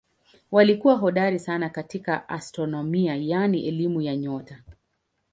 Walikuwa hodari sana katika astronomia yaani elimu ya nyota.